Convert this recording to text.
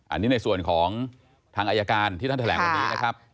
อันนี้ในส่วนของทางอายการที่ท่านแถลงวันนี้นะครับ